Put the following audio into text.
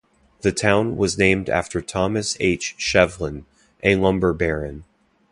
The town was named after Thomas H. Shevlin, a lumber baron.